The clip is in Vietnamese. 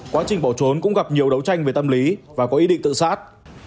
quá trình bỏ trốn cũng gặp nhiều đấu tranh về tâm lý và có ý định tự sát